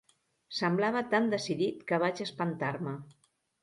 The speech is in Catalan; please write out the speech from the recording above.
Semblava tan decidit que vaig espantar-me.